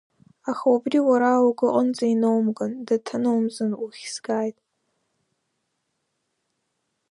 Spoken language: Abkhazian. Аха убри уара угәаҟынӡа иноумган, даҭаноумҵан уххь згааит!